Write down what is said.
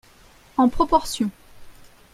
En proportion.